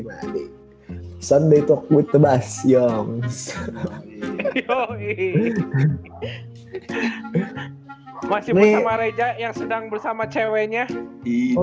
mandi sunday talk with the bass youngs masih bersama reza yang sedang bersama ceweknya oh